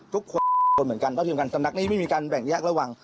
ทุกเพียรกลเหมือนกันความเป็นของนักนี้ไม่มีการแบ่งแยกระหว่าง